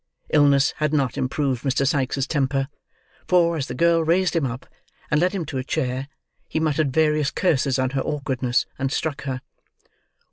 Illness had not improved Mr. Sikes's temper; for, as the girl raised him up and led him to a chair, he muttered various curses on her awkwardness, and struck her.